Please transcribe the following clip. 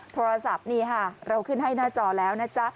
โทรศัพท์นี่ค่ะเราขึ้นให้หน้าจอแล้วนะจ๊ะ